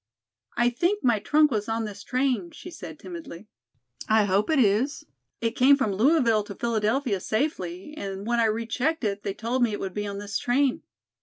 "I think my trunk was on this train," she said timidly. "I hope it is. It came from Louisville to Philadelphia safely, and when I re checked it they told me it would be on this train."